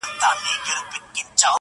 • موږ له خپل نصیبه له وزر سره راغلي یو -